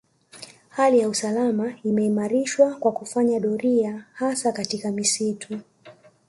Hali ya usalama imeimarishwa kwa kufanya doria hasa katika misitu